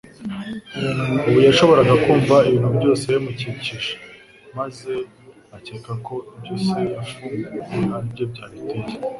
Ubu yashoboraga kumva ibintu byose bimukikije, maze akeka ko ibyo se yafunguye aribyo byabiteye.